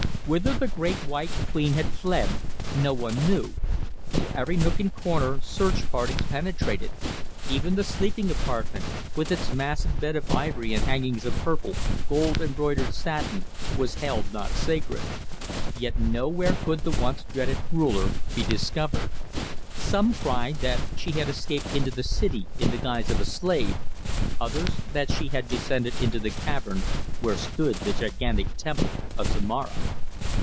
Whither the Great White Queen had fled no one knew. To every nook and corner search parties penetrated; even the sleeping apartment, with its massive bed of ivory and hangings of purple, gold embroidered satin, was not held sacred. Yet nowhere could the once dreaded ruler be discovered. Some cried that she had escaped into the city in the guise of a slave, others that she had descended into the cavern where stood the gigantic Temple of Zomara.